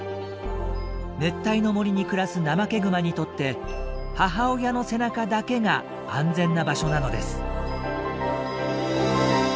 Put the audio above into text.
熱帯の森に暮らすナマケグマにとって母親の背中だけが安全な場所なのです。